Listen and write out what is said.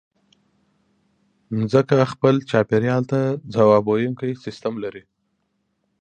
مځکه خپل چاپېریال ته ځواب ویونکی سیستم لري.